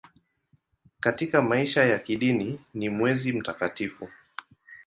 Katika maisha ya kidini ni mwezi mtakatifu.